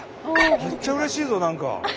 めっちゃうれしいぞ何か。